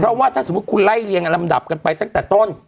เพราะว่าถ้าสมมุติคุณไล่เรียงลำดับกันไปตั้งแต่ต้น